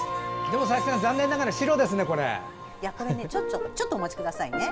佐々木さん、残念ながらちょっとお待ちくださいね。